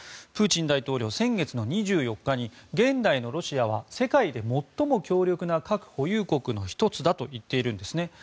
プーチン大統領、先月２４日に現代のロシアは世界で最も強力な核保有国の１つだと言っているんですね。